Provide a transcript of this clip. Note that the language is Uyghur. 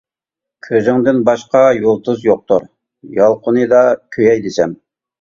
كۆزۈڭدىن باشقا يۇلتۇز يوقتۇر، يالقۇنىدا كۆيەي دېسەم.